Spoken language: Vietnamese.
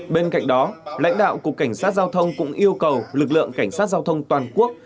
bên cạnh đó lãnh đạo cục cảnh sát giao thông cũng yêu cầu lực lượng cảnh sát giao thông toàn quốc